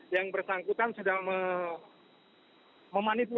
ya nanti ini substansi nanti dijelaskan pak kapolda